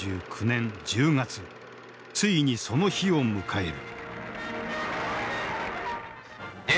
ついにその日を迎える。